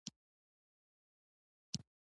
بد کارونه پایله نلري